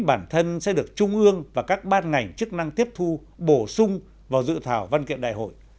bản thân sẽ được trung ương và các ban ngành chức năng tiếp thu bổ sung vào dự thảo văn kiện đại hội